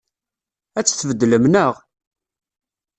Ad tt-tbeddlem, naɣ?